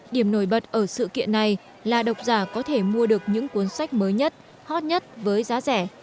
điểm nổi bật ở sự kiện này là độc giả có thể mua được những cuốn sách mới nhất hot nhất với giá rẻ